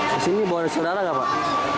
di sini boleh saudara gak pak